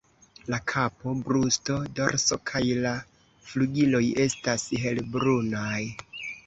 La kapo, brusto, dorso kaj la flugiloj estas helbrunaj.